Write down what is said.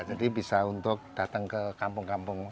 jadi bisa untuk datang ke kampung kampung